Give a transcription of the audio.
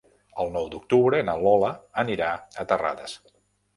El nou d'octubre na Lola anirà a Terrades.